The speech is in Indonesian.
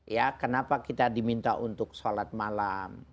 ya kenapa kita diminta untuk sholat malam